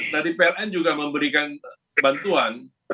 tadi ppn juga memberikan bantuan